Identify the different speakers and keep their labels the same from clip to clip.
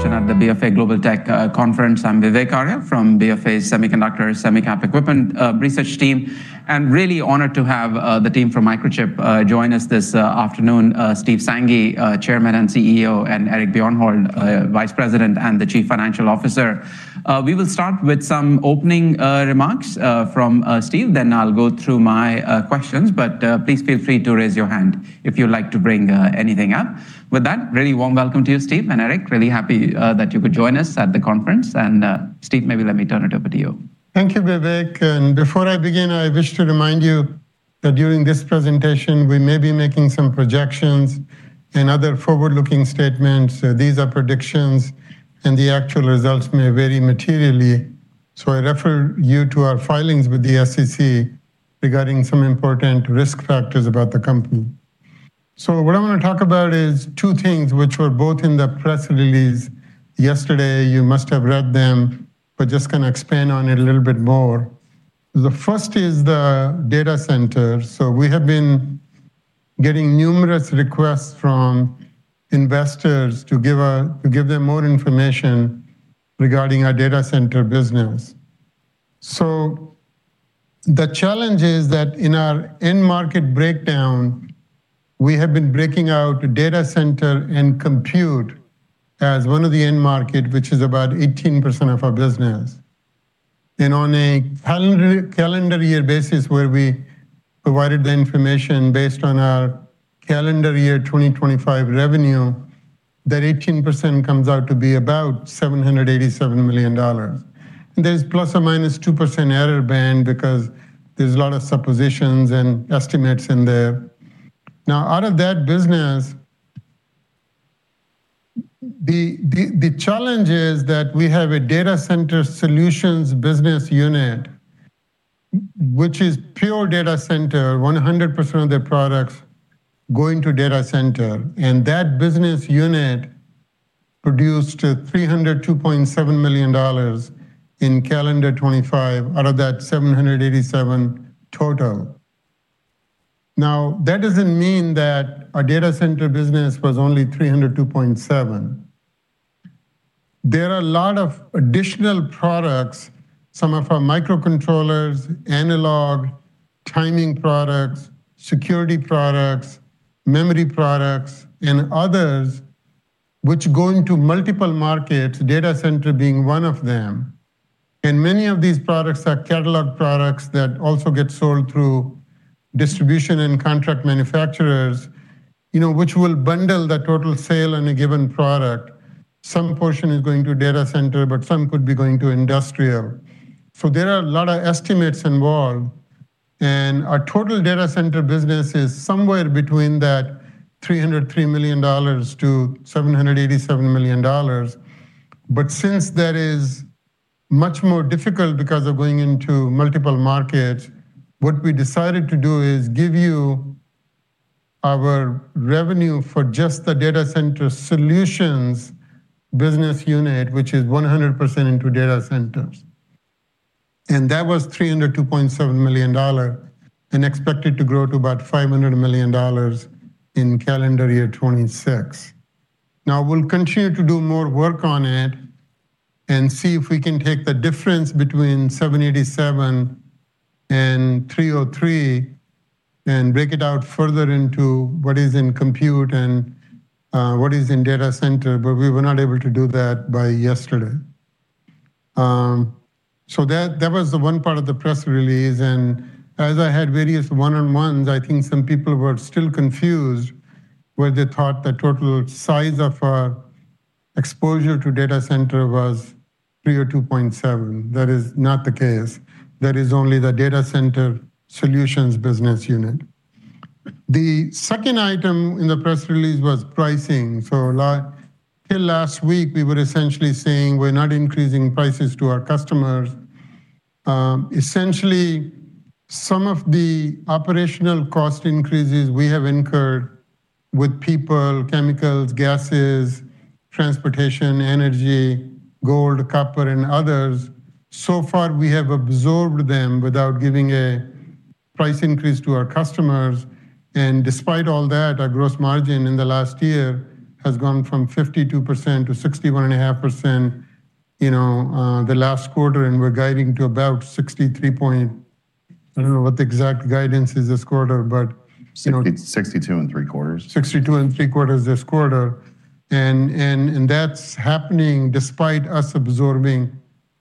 Speaker 1: Session at the BofA Global Tech Conference. I'm Vivek Arya from BofA Semiconductor, Semicap Equipment, research team, and really honored to have the team from Microchip join us this afternoon. Steve Sanghi, Chairman and CEO, and Eric Bjornholt, Vice President and Chief Financial Officer. We will start with some opening remarks from Steve, then I'll go through my questions. Please feel free to raise your hand if you'd like to bring anything up. With that, really warm welcome to you, Steve and Eric. Really happy that you could join us at the conference. Steve, maybe let me turn it over to you.
Speaker 2: Thank you, Vivek. Before I begin, I wish to remind you that during this presentation, we may be making some projections and other forward-looking statements. These are predictions and the actual results may vary materially. I refer you to our filings with the SEC regarding some important risk factors about the company. What I'm going to talk about is two things which were both in the press release yesterday. You must have read them, just going to expand on it a little bit more. The first is the data center. We have been getting numerous requests from investors to give them more information regarding our data center business. The challenge is that in our end market breakdown, we have been breaking out data center and compute as one of the end market, which is about 18% of our business. On a calendar year basis where we provided the information based on our calendar year 2025 revenue, that 18% comes out to be about $787 million. There's a ±2% error band because there's a lot of suppositions and estimates in there. Out of that business, the challenge is that we have a Data Center Solutions Business Unit, which is pure data center, 100% of their products going to data center. That business unit produced $302.7 million in calendar 2025 out of that $787 million total. That doesn't mean that our data center business was only $302.7 million. There are a lot of additional products, some of our microcontrollers, analog, timing products, security products, memory products, and others, which go into multiple markets, data center being one of them. Many of these products are catalog products that also get sold through distribution and contract manufacturers, which will bundle the total sale on a given product. Some portion is going to data center, but some could be going to industrial. There are a lot of estimates involved, and our total data center business is somewhere between that $303 million-$787 million. Since that is much more difficult because of going into multiple markets, what we decided to do is give you our revenue for just the Data Center Solutions Business Unit, which is 100% into data centers. That was $302.7 million and expected to grow to about $500 million in calendar year 2026. We'll continue to do more work on it and see if we can take the difference between $787 million and $303 million and break it out further into what is in compute and what is in data center. We were not able to do that by yesterday. That was the one part of the press release, and as I had various one-on-ones, I think some people were still confused where they thought the total size of our exposure to data center was 302.7. That is not the case. That is only the Data Center Solutions Business Unit. The second item in the press release was pricing. Till last week, we were essentially saying we're not increasing prices to our customers. Essentially, some of the operational cost increases we have incurred with people, chemicals, gases, transportation, energy, gold, copper and others, so far, we have absorbed them without giving a price increase to our customers. Despite all that, our gross margin in the last year has gone from 52%-61.5% the last quarter and we're guiding to about 63 point, I don't know what the exact guidance is this quarter.
Speaker 3: 62 and three-quarters.
Speaker 2: 62 and three-quarters this quarter. That's happening despite us absorbing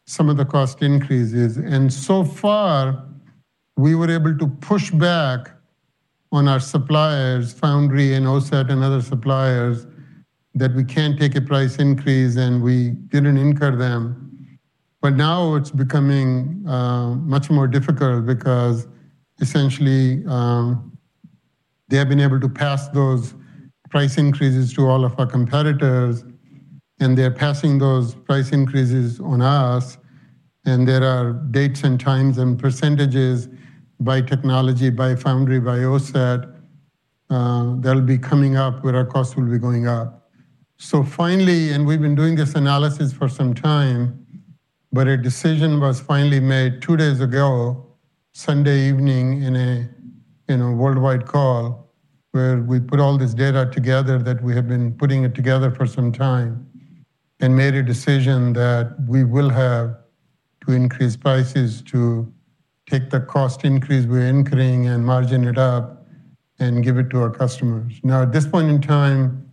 Speaker 2: some of the cost increases. So far, we were able to push back on our suppliers, foundry and OSAT and other suppliers, that we can't take a price increase, and we didn't incur them. Now it's becoming much more difficult because essentially, they have been able to pass those price increases to all of our competitors, and they're passing those price increases on us, and there are dates and times and percentages by technology, by foundry, by OSAT, that'll be coming up where our costs will be going up. Finally, and we've been doing this analysis for some time. A decision was finally made two days ago, Sunday evening, in a worldwide call where we put all this data together that we have been putting it together for some time and made a decision that we will have to increase prices to take the cost increase we're incurring and margin it up and give it to our customers. Now, at this point in time,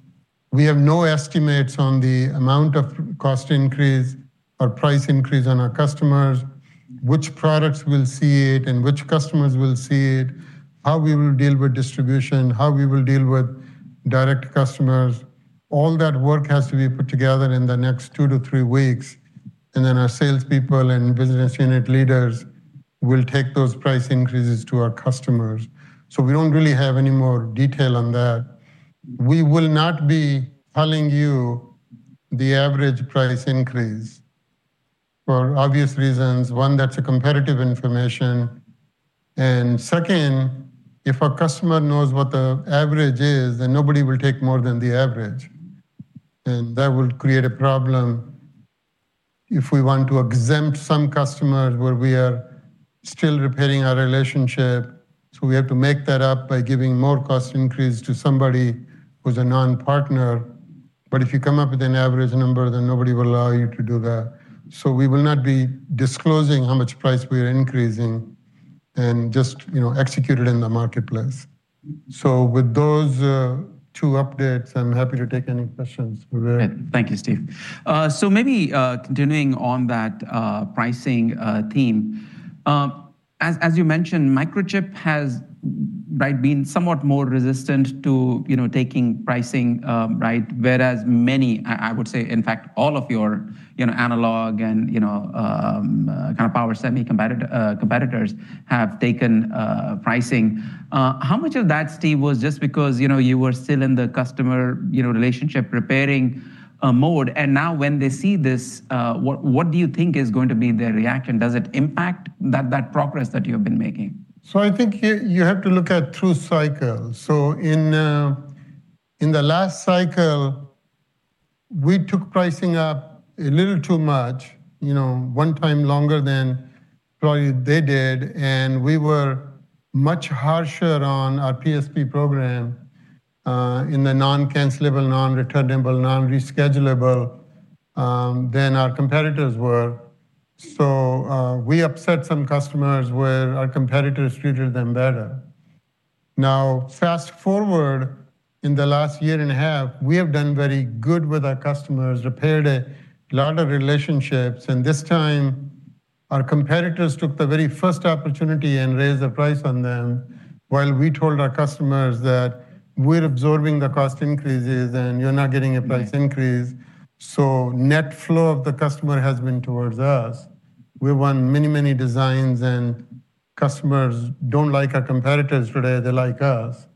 Speaker 2: we have no estimates on the amount of cost increase or price increase on our customers, which products will see it and which customers will see it, how we will deal with distribution, how we will deal with direct customers. All that work has to be put together in the next two to three weeks, and then our salespeople and business unit leaders will take those price increases to our customers. We don't really have any more detail on that. We will not be telling you the average price increase for obvious reasons. One, that's a competitive information. Second, if a customer knows what the average is, then nobody will take more than the average. That will create a problem if we want to exempt some customers where we are still repairing our relationship. We have to make that up by giving more cost increase to somebody who's a non-partner. If you come up with an average number, then nobody will allow you to do that. We will not be disclosing how much price we are increasing and just execute it in the marketplace. With those two updates, I'm happy to take any questions.
Speaker 1: Thank you, Steve. Maybe continuing on that pricing theme. As you mentioned, Microchip has been somewhat more resistant to taking pricing, whereas many, I would say, in fact, all of your analog and kind of power semi competitors have taken pricing. How much of that, Steve, was just because you were still in the customer relationship-repairing mode? Now when they see this, what do you think is going to be their reaction? Does it impact that progress that you have been making?
Speaker 2: I think you have to look at through cycles. In the last cycle, we took pricing up a little too much, one time longer than probably they did, and we were much harsher on our PSP program, in the non-cancelable, non-returnable, non-reschedulable, than our competitors were. We upset some customers where our competitors treated them better. Now, fast-forward in the last year and a half, we have done very good with our customers, repaired a lot of relationships, and this time, our competitors took the very first opportunity and raised the price on them while we told our customers that we're absorbing the cost increases and you're not getting a price increase. Net flow of the customer has been towards us. We won many, many designs and customers don't like our competitors today, they like us.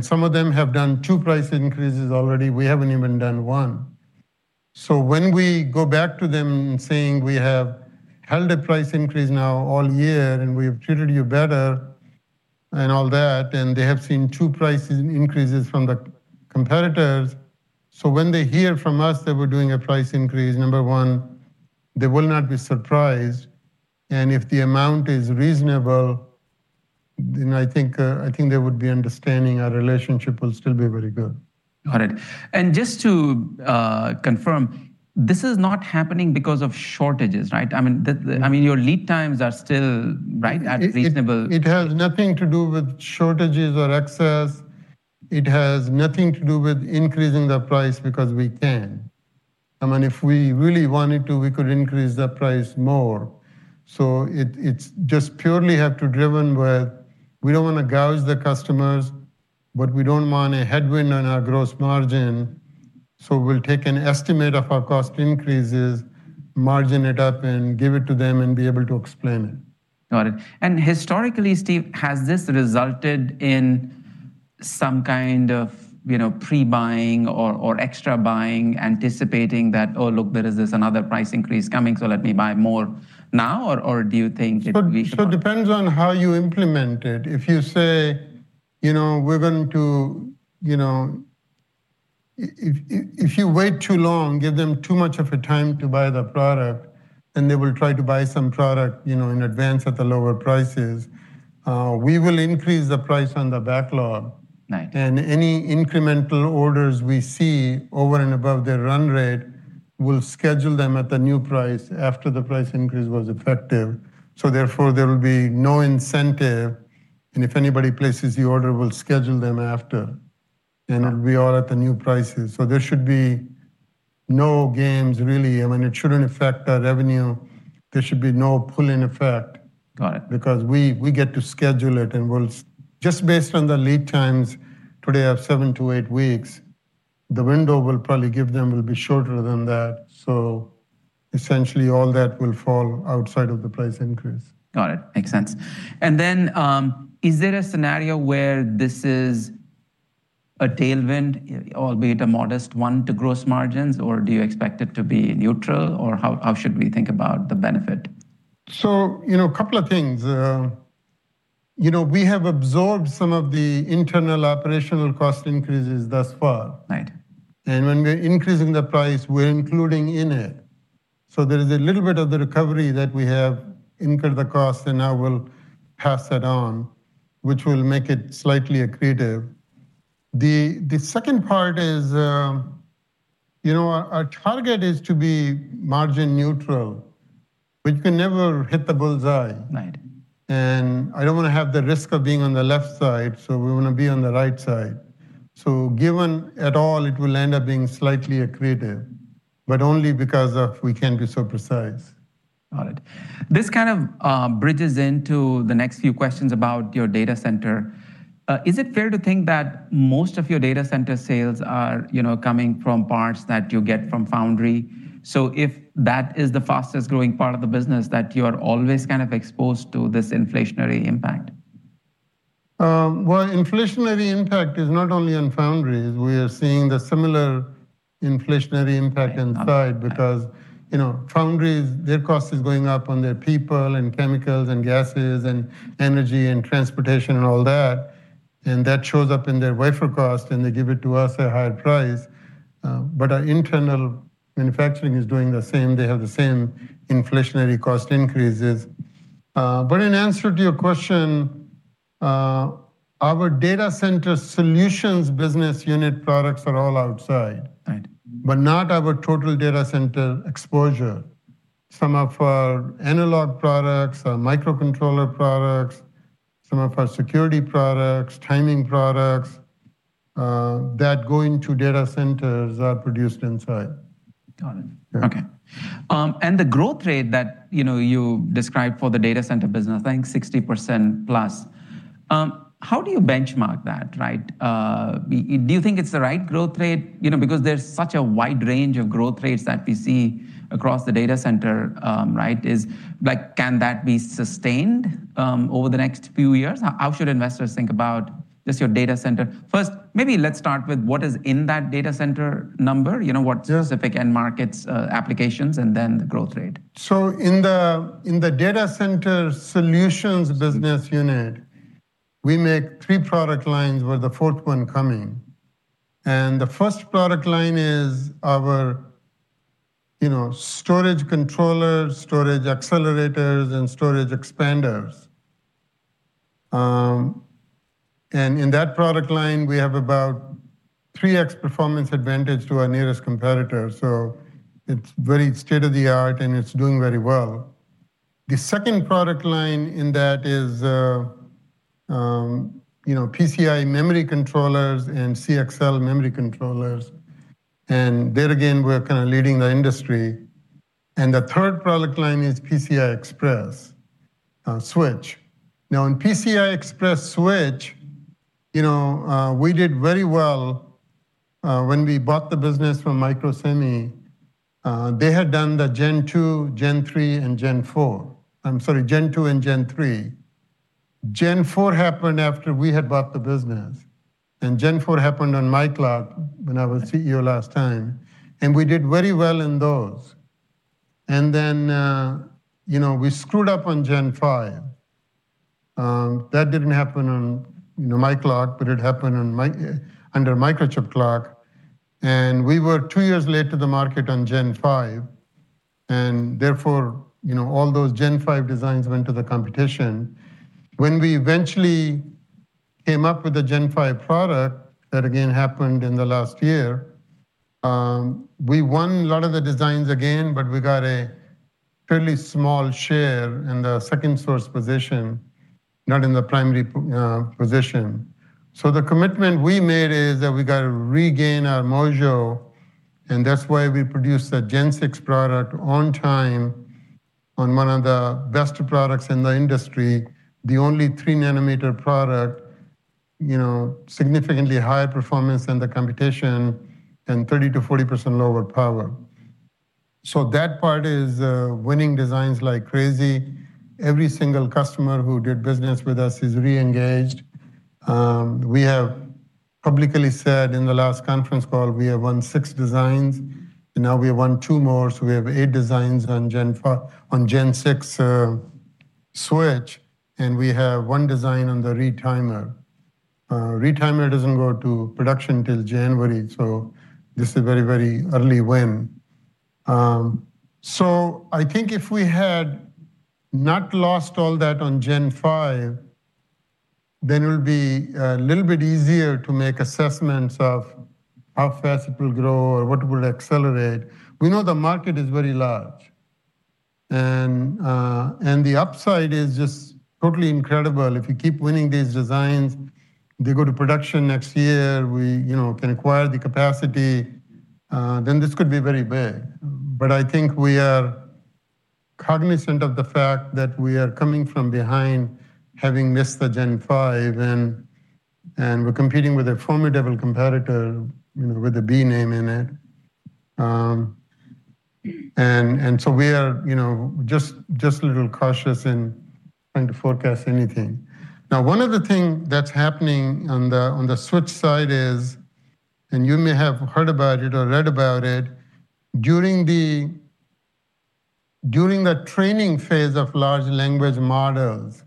Speaker 2: Some of them have done two price increases already. We haven't even done one. When we go back to them saying we have held a price increase now all year and we have treated you better and all that, and they have seen two price increases from the competitors. When they hear from us that we're doing a price increase, number one, they will not be surprised, and if the amount is reasonable, then I think they would be understanding. Our relationship will still be very good.
Speaker 1: Got it. Just to confirm, this is not happening because of shortages, right? I mean, your lead times are still at reasonable-
Speaker 2: It has nothing to do with shortages or excess. It has nothing to do with increasing the price because we can. I mean, if we really wanted to, we could increase the price more. It's just purely have to driven with, we don't want to gouge the customers, but we don't want a headwind on our gross margin. We'll take an estimate of our cost increases, margin it up, and give it to them and be able to explain it.
Speaker 1: Got it. Historically, Steve, has this resulted in some kind of pre-buying or extra buying, anticipating that, "Oh, look, there is this another price increase coming, so let me buy more now?" Or do you think-
Speaker 2: Depends on how you implement it. If you wait too long, give them too much of a time to buy the product, they will try to buy some product in advance at the lower prices. We will increase the price on the backlog.
Speaker 1: Right.
Speaker 2: Any incremental orders we see over and above their run rate, we'll schedule them at the new price after the price increase was effective. Therefore, there will be no incentive, and if anybody places the order, we'll schedule them after, and it'll be all at the new prices. There should be no games, really. I mean, it shouldn't affect our revenue. There should be no pulling effect-
Speaker 1: Got it.
Speaker 2: Because we get to schedule it, and just based on the lead times, today have seven to eight weeks. The window we'll probably give them will be shorter than that. Essentially, all that will fall outside of the price increase.
Speaker 1: Got it. Makes sense. Is there a scenario where this is a tailwind, albeit a modest one to gross margins, or do you expect it to be neutral, or how should we think about the benefit?
Speaker 2: A couple of things. We have absorbed some of the internal operational cost increases thus far.
Speaker 1: Right.
Speaker 2: When we're increasing the price, we're including in it. There is a little bit of the recovery that we have incurred the cost, and now we'll pass that on, which will make it slightly accretive. The second part is, our target is to be margin neutral. You can never hit the bullseye.
Speaker 1: Right.
Speaker 2: I don't want to have the risk of being on the left side, so we want to be on the right side. Given at all, it will end up being slightly accretive, but only because of we can't be so precise.
Speaker 1: Got it. This kind of bridges into the next few questions about your data center. Is it fair to think that most of your data center sales are coming from parts that you get from foundry? If that is the fastest-growing part of the business that you are always exposed to this inflationary impact.
Speaker 2: Well, inflationary impact is not only on foundries. We are seeing the similar inflationary impact inside because foundries, their cost is going up on their people and chemicals and gases and energy and transportation and all that. That shows up in their wafer cost, and they give it to us at a higher price. Our internal manufacturing is doing the same. They have the same inflationary cost increases. In answer to your question, our Data Center Solutions Business Unit products are all outside.
Speaker 1: Right.
Speaker 2: Not our total data center exposure. Some of our analog products, our microcontroller products, some of our security products, timing products, that go into data centers are produced inside.
Speaker 1: Got it.
Speaker 2: Yeah.
Speaker 1: Okay. The growth rate that you described for the data center business, I think 60%+. How do you benchmark that? Do you think it's the right growth rate? There's such a wide range of growth rates that we see across the data center. Can that be sustained over the next few years? How should investors think about just your data center? First, maybe let's start with what is in that data center number. What specific end markets, applications, and then the growth rate?
Speaker 2: In the Data Center Solutions Business Unit, we make three product lines with the fourth one coming. The first product line is our storage controllers, storage accelerators, and storage expanders. In that product line, we have about 3X performance advantage to our nearest competitor, so it's very state-of-the-art and it's doing very well. The second product line in that is PCIe memory controllers and CXL memory controllers. There again, we're kind of leading the industry. The third product line is PCI Express switch. Now, in PCI Express switch, we did very well when we bought the business from Microsemi. They had done the Gen 2, Gen 3, and Gen 4. I'm sorry, Gen 2 and Gen 3. Gen 4 happened after we had bought the business, and Gen 4 happened on my clock when I was CEO last time, and we did very well in those. We screwed up on Gen 5. That didn't happen on my clock, but it happened under Microchip clock. We were two years late to the market on Gen 5, and therefore, all those Gen 5 designs went to the competition. When we eventually came up with the Gen 5 product, that again happened in the last year, we won a lot of the designs again, but we got a fairly small share in the second source position, not in the primary position. The commitment we made is that we got to regain our mojo, and that's why we produced a Gen 6 product on time on one of the best products in the industry. The only 3-nm product, significantly higher performance than the competition, and 30%-40% lower power. That part is winning designs like crazy. Every single customer who did business with us is re-engaged. We have publicly said in the last conference call, we have won six designs, and now we have won two more, so we have eight designs on Gen 6 switch, and we have one design on the retimer. Retimer doesn't go to production till January, so this is very early win. I think if we had not lost all that on Gen 5, then it will be a little bit easier to make assessments of how fast it will grow or what it will accelerate. We know the market is very large. The upside is just totally incredible. If we keep winning these designs, they go to production next year, we can acquire the capacity, then this could be very big. I think we are cognizant of the fact that we are coming from behind, having missed the Gen 5 and we're competing with a formidable competitor, with a B name in it. We are just a little cautious in trying to forecast anything. Now, one other thing that's happening on the switch side is, and you may have heard about it or read about it, During the training phase of large language models,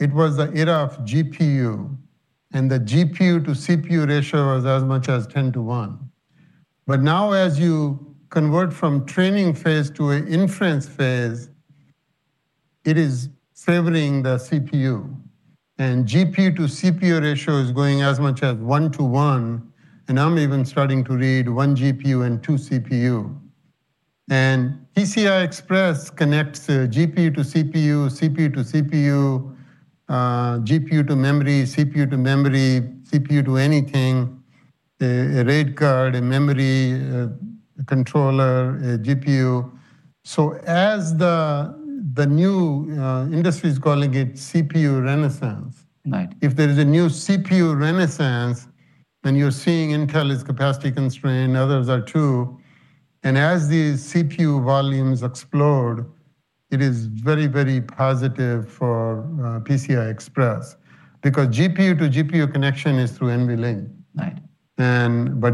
Speaker 2: it was the era of GPU, and the GPU to CPU ratio was as much as 10:1. Now as you convert from training phase to a inference phase, it is favoring the CPU. GPU to CPU ratio is going as much as 1:1, and I'm even starting to read one GPU and two CPU. PCI Express connects a GPU to CPU, CPU to CPU, GPU to memory, CPU to memory, CPU to anything, a RAID card, a memory controller, a GPU. As the new industry is calling it CPU renaissance.
Speaker 1: Right.
Speaker 2: If there is a new CPU renaissance, then you're seeing Intel is capacity constrained, others are too. As these CPU volumes explode, it is very, very positive for PCI Express because GPU to GPU connection is through NVLink.
Speaker 1: Right.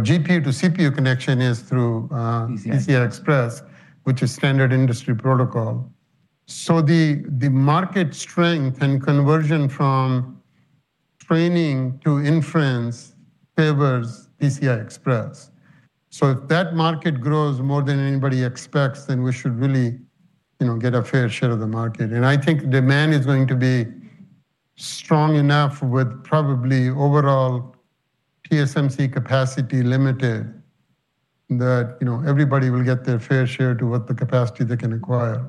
Speaker 2: GPU to CPU connection is through PCI Express, which is standard industry protocol. The market strength and conversion from training to inference favors PCI Express. If that market grows more than anybody expects, then we should really get a fair share of the market. I think demand is going to be strong enough with probably overall TSMC capacity limited, that everybody will get their fair share to what the capacity they can acquire.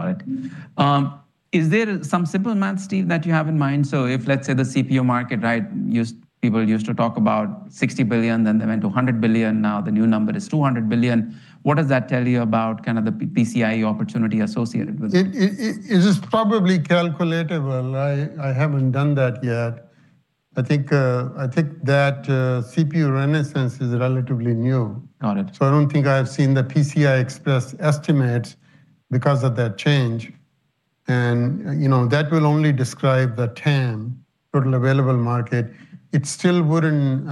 Speaker 1: All right. Is there some simple math, Steve, that you have in mind? If let's say the CPU market, people used to talk about $60 billion, then they went to $100 billion, now the new number is $200 billion. What does that tell you about the PCI opportunity associated with it?
Speaker 2: It is probably calculable. I haven't done that yet. I think that CPU renaissance is relatively new.
Speaker 1: Got it.
Speaker 2: I don't think I've seen the PCI Express estimate because of that change. That will only describe the TAM, total available market. It still wouldn't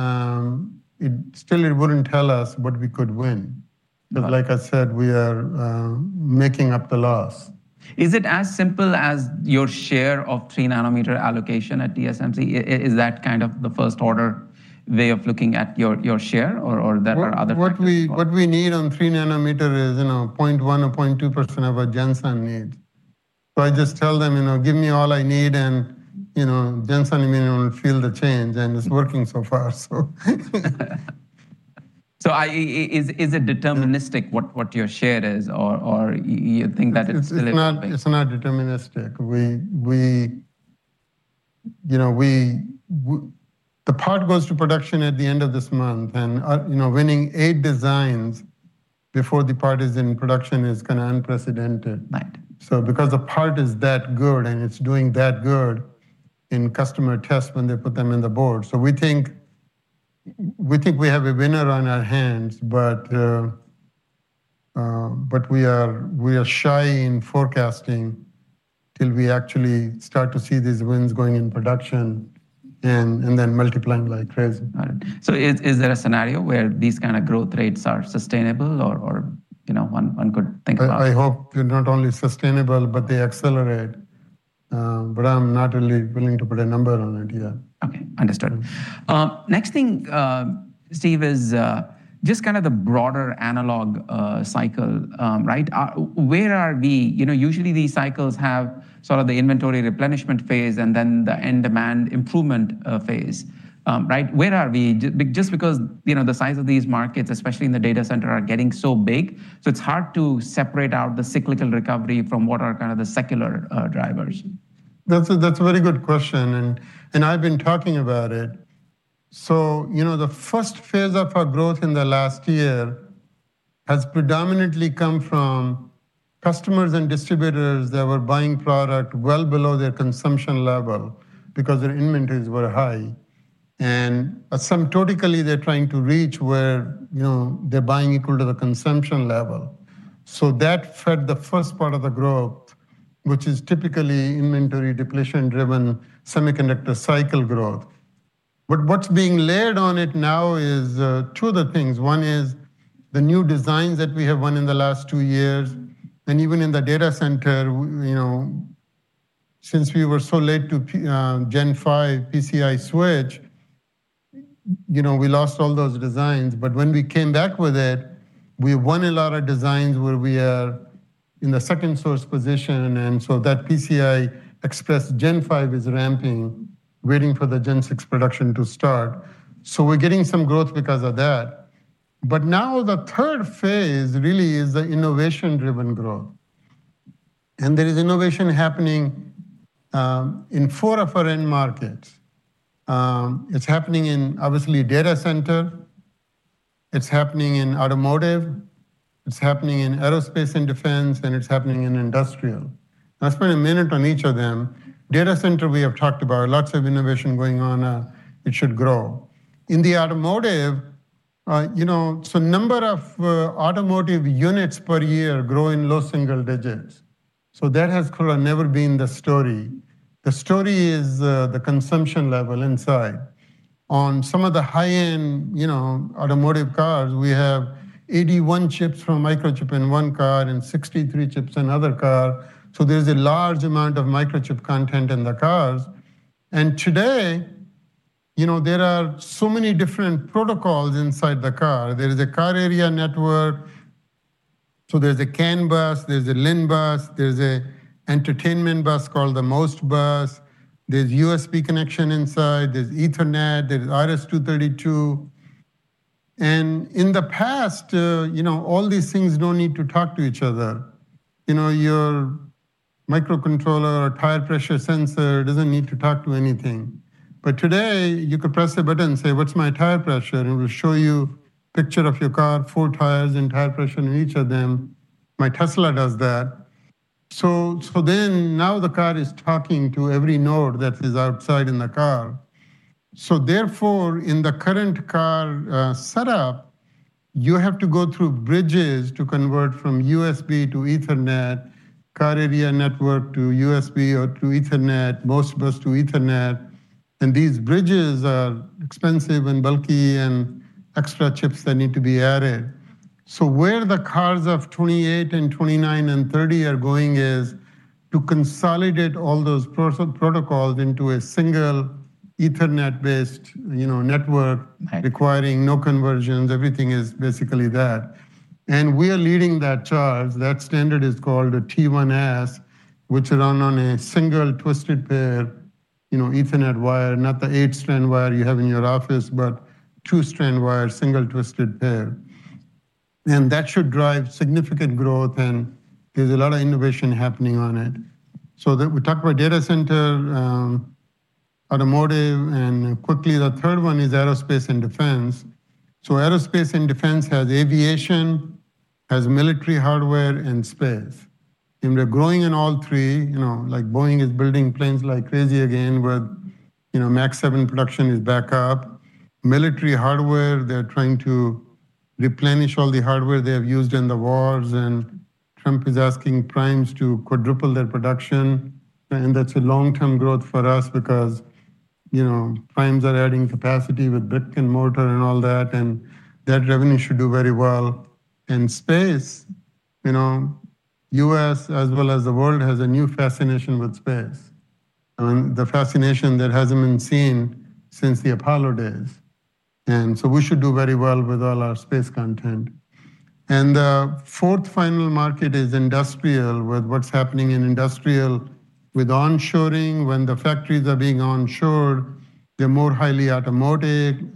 Speaker 2: tell us what we could win. Like I said, we are making up the loss.
Speaker 1: Is it as simple as your share of 3-nm allocation at TSMC? Is that the first order way of looking at your share, or there are other factors?
Speaker 2: What we need on 3-nm is 0.1% or 0.2% of what Jensen needs. I just tell them, "Give me all I need," and Jensen even won't feel the change, and it's working so far.
Speaker 1: Is it deterministic what your share is?
Speaker 2: It's not deterministic. The part goes to production at the end of this month. Winning eight designs before the part is in production is unprecedented.
Speaker 1: Right.
Speaker 2: Because the part is that good and it's doing that good in customer tests when they put them in the board. We think we have a winner on our hands, but we are shy in forecasting till we actually start to see these wins going in production and then multiplying like crazy.
Speaker 1: Got it. Is there a scenario where these kind of growth rates are sustainable or one could think about?
Speaker 2: I hope they're not only sustainable, but they accelerate. I'm not really willing to put a number on it yet.
Speaker 1: Okay. Understood. Next thing, Steve, is just the broader analog cycle. Where are we? Usually these cycles have sort of the inventory replenishment phase and then the end demand improvement phase. Where are we? Just because the size of these markets, especially in the data center, are getting so big, so it's hard to separate out the cyclical recovery from what are the secular drivers.
Speaker 2: That's a very good question, and I've been talking about it. The first phase of our growth in the last year has predominantly come from customers and distributors that were buying product well below their consumption level because their inventories were high. Asymptotically, they're trying to reach where they're buying equal to the consumption level. That fed the first part of the growth, which is typically inventory depletion-driven semiconductor cycle growth. What's being layered on it now is two of the things. One is the new designs that we have won in the last two years, and even in the data center, since we were so late to Gen 5 PCI switch, we lost all those designs. When we came back with it, we won a lot of designs where we are in the second source position, and so that PCI Express Gen 5 is ramping, waiting for the Gen 6 production to start. We're getting some growth because of that. Now the third phase really is the innovation-driven growth. There is innovation happening in four of our end markets. It's happening in, obviously, data center, it's happening in automotive, it's happening in aerospace and defense, and it's happening in industrial. I'll spend a minute on each of them. Data center, we have talked about. Lots of innovation going on. It should grow. In the automotive, so number of automotive units per year grow in low single digits. That has never been the story. The story is the consumption level inside. On some of the high-end automotive cars, we have 81 chips from Microchip in one car and 63 chips in another car. There's a large amount of Microchip content in the cars. Today, there are so many different protocols inside the car. There is a Controller Area Network. There's a CAN bus, there's a LIN bus, there's an entertainment bus called the MOST bus, there's USB connection inside, there's Ethernet, there's RS-232. In the past, all these things don't need to talk to each other. Your microcontroller or tire pressure sensor doesn't need to talk to anything. Today, you could press a button and say, "What's my tire pressure?" It will show you a picture of your car, four tires, and tire pressure in each of them. My Tesla does that. Now the car is talking to every node that is outside in the car. In the current car setup, you have to go through bridges to convert from USB to Ethernet, Controller Area Network to USB or to Ethernet, MOST bus to Ethernet, and these bridges are expensive and bulky and extra chips that need to be added. Where the cars of 28 and 29 and 30 are going is to consolidate all those protocols into a single Ethernet-based network requiring no conversions. Everything is basically that. We are leading that charge. That standard is called a T1S, which run on a single twisted pair, Ethernet wire, not the eight-strand wire you have in your office, but two-strand wire, single twisted pair. That should drive significant growth, and there's a lot of innovation happening on it. We talked about Data Center, automotive, and quickly the third one is aerospace and defense. Aerospace and defense has aviation, has military hardware, and space. We're growing in all three, like Boeing is building planes like crazy again, where MAX 7 production is back up. Military hardware, they're trying to replenish all the hardware they have used in the wars. Trump is asking primes to quadruple their production. That's a long-term growth for us because primes are adding capacity with brick and mortar and all that, and that revenue should do very well. Space, U.S. as well as the world, has a new fascination with space, and the fascination that hasn't been seen since the Apollo days. We should do very well with all our space content. The fourth final market is industrial, with what's happening in industrial with onshoring. When the factories are being onshored, they're more highly automated,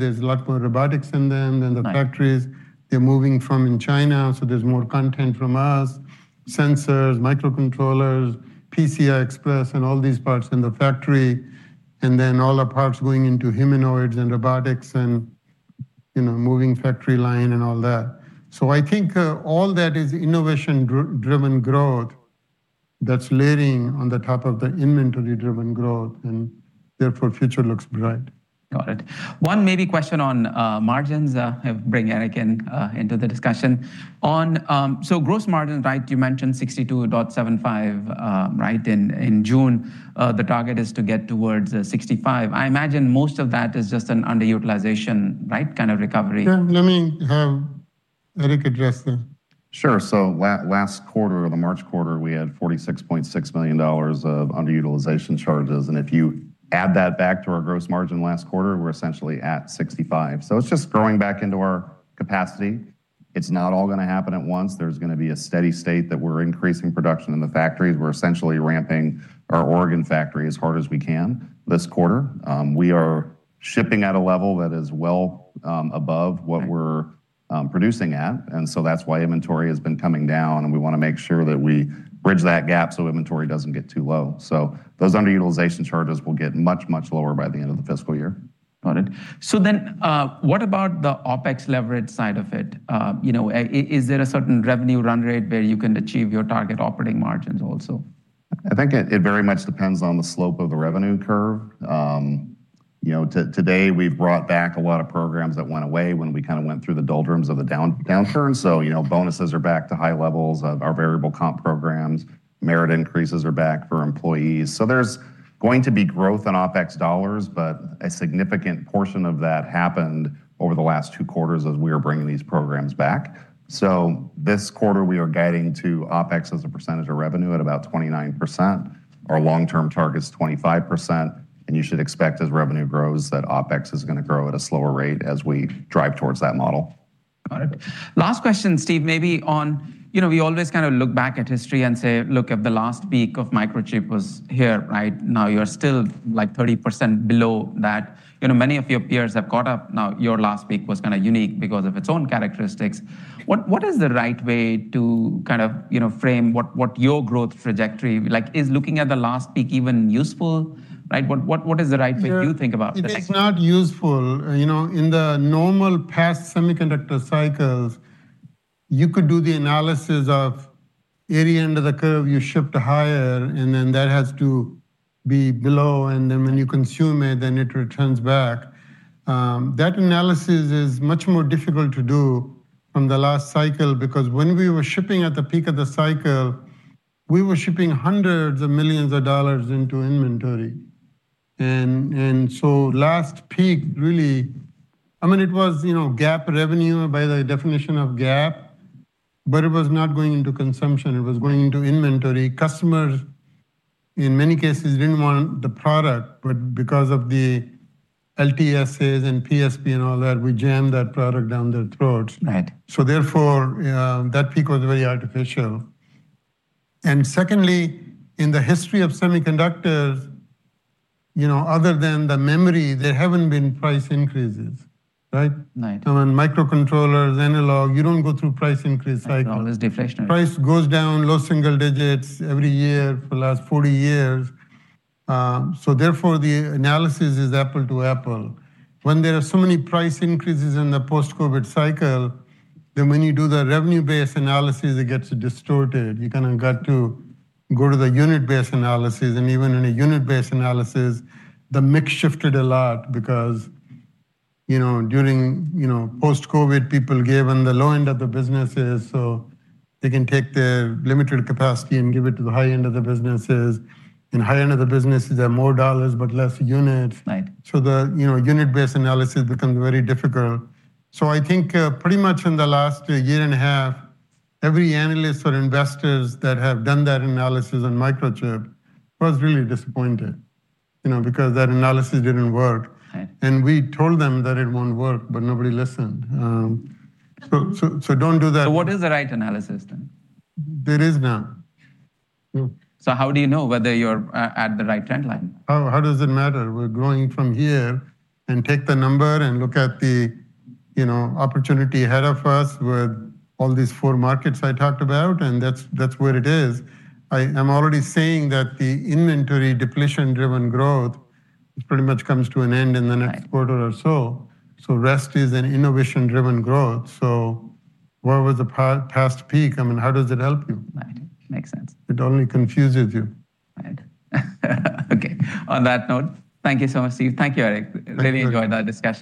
Speaker 2: there's a lot more robotics in them than the factories they're moving from in China, so there's more content from us. Sensors, microcontrollers, PCI Express, and all these parts in the factory, and then all our parts going into humanoids and robotics and moving factory line and all that. I think all that is innovation-driven growth that's layering on the top of the inventory-driven growth, and therefore future looks bright.
Speaker 1: Got it. One maybe question on margins. I'll bring Eric into the discussion. Gross margin, you mentioned 62.75% in June. The target is to get towards 65%. I imagine most of that is just an underutilization kind of recovery.
Speaker 2: Yeah, let me have Eric address that.
Speaker 3: Sure. Last quarter, or the March quarter, we had $46.6 million of underutilization charges, and if you add that back to our gross margin last quarter, we're essentially at 65%. It's just growing back into our capacity. It's not all going to happen at once. There's going to be a steady state that we're increasing production in the factories. We're essentially ramping our Oregon factory as hard as we can this quarter. We are shipping at a level that is well above what we're producing at, and so that's why inventory has been coming down, and we want to make sure that we bridge that gap so inventory doesn't get too low. Those underutilization charges will get much, much lower by the end of the fiscal year.
Speaker 1: Got it. What about the OpEx leverage side of it? Is there a certain revenue run rate where you can achieve your target operating margins also?
Speaker 3: I think it very much depends on the slope of the revenue curve. Today, we've brought back a lot of programs that went away when we kind of went through the doldrums of the downturn. Bonuses are back to high levels, our variable comp programs, merit increases are back for employees. There's going to be growth in OpEx dollars, but a significant portion of that happened over the last two quarters as we are bringing these programs back. This quarter, we are guiding to OpEx as a percentage of revenue at about 29%. Our long-term target's 25%, and you should expect as revenue grows, that OpEx is going to grow at a slower rate as we drive towards that model.
Speaker 1: Got it. Last question, Steve, maybe on, we always kind of look back at history and say, look, if the last peak of Microchip was here, now you're still 30% below that. Many of your peers have caught up now. Your last peak was kind of unique because of its own characteristics. What is the right way to frame what your growth trajectory? Is looking at the last peak even useful? What is the right way to think about the next?
Speaker 2: It is not useful. In the normal past semiconductor cycles, you could do the analysis of any end of the curve, you ship to higher, and then that has to be below, and then when you consume it, then it returns back. That analysis is much more difficult to do from the last cycle, because when we were shipping at the peak of the cycle, we were shipping hundreds of millions dollars into inventory. Last peak, really, it was GAAP revenue by the definition of GAAP, but it was not going into consumption, it was going into inventory. Customers, in many cases, didn't want the product, but because of the LTSAs and PSP and all that, we jammed that product down their throats.
Speaker 1: Right.
Speaker 2: Therefore, that peak was very artificial. Secondly, in the history of semiconductors, other than the memory, there haven't been price increases, right?
Speaker 1: Right.
Speaker 2: I mean, microcontrollers, analog, you don't go through price increase cycles.
Speaker 1: Right. Always deflationary.
Speaker 2: Price goes down low single digits every year for the last 40 years. Therefore, the analysis is apple-to-apple. When there are so many price increases in the post-COVID cycle, then when you do the revenue-based analysis, it gets distorted. You kind of got to go to the unit-based analysis. Even in a unit-based analysis, the mix shifted a lot because during post-COVID, people gave them the low end of the businesses, so they can take their limited capacity and give it to the high end of the businesses. In high end of the businesses, there are more dollars but less units.
Speaker 1: Right.
Speaker 2: The unit-based analysis becomes very difficult. I think pretty much in the last year and a half, every analyst or investors that have done that analysis on Microchip was really disappointed, because that analysis didn't work.
Speaker 1: Right.
Speaker 2: We told them that it won't work, but nobody listened. Don't do that.
Speaker 1: What is the right analysis then?
Speaker 2: There is none. No.
Speaker 1: How do you know whether you're at the right trend line?
Speaker 2: How does it matter? We're growing from here, and take the number and look at the opportunity ahead of us with all these four markets I talked about, and that's where it is. I'm already saying that the inventory depletion-driven growth pretty much comes to an end in the next quarter or so. Rest is an innovation-driven growth. Where was the past peak? How does it help you?
Speaker 1: Right. Makes sense.
Speaker 2: It only confuses you.
Speaker 1: Right. Okay. On that note, thank you so much, Steve. Thank you, Eric.
Speaker 2: Thank you.
Speaker 1: Really enjoyed that discussion.